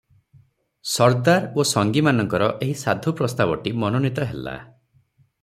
ସର୍ଦ୍ଦାର ଓ ସଙ୍ଗୀମାନଙ୍କର ଏହି ସାଧୁ ପ୍ରସ୍ତାବଟି ମନୋନୀତ ହେଲା ।